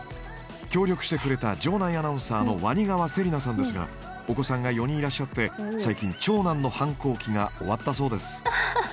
協力してくれた場内アナウンサーの鰐川せりなさんですがお子さんが４人いらっしゃって最近長男の反抗期が終わったそうです。